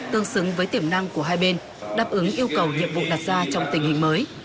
tương xứng với tiềm năng của hai bên đáp ứng yêu cầu nhiệm vụ đặt ra trong tình hình mới